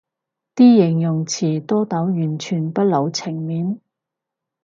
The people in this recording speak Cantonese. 啲形容詞多到完全不留情面